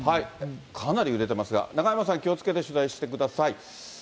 かなり揺れてますが、中山さん、気をつけて取材してください。